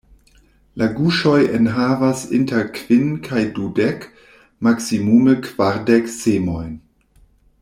La guŝoj enhavas inter kvin kaj dudek, maksimume kvardek semojn.